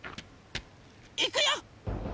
いくよ！